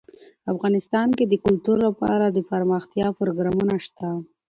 افغانستان کې د کلتور لپاره دپرمختیا پروګرامونه شته.